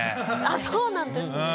そうなんですね。